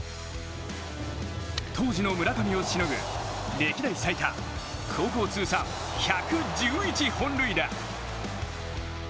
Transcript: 当時の村上をしのぐ歴代最多、高校通算１１１本塁打。